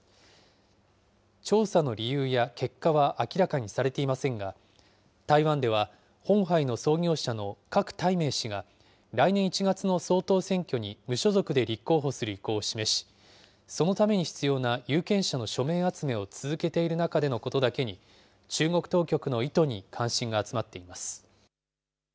調査の理由や結果は明らかにされていませんが、台湾ではホンハイの創業者の郭台銘氏が、来年１月の総統選挙に無所属で立候補する意向を示し、そのために必要な有権者の署名集めを続けている中でのことだけに、中国当局の意図に関心が集まっています。